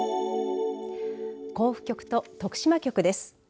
甲府局と徳島局です。